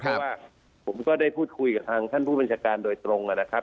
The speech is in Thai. เพราะว่าผมก็ได้พูดคุยกับทางท่านผู้บัญชาการโดยตรงนะครับ